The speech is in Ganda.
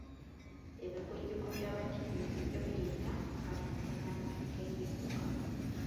Ebikujjuko by'abattiini bulijjo bireeta akalipagano k'ebidduka.